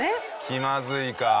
気まずいか。